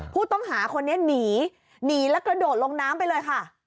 ผู้ต้องหาคนนี้หนีหนีแล้วกระโดดลงน้ำไปเลยค่ะ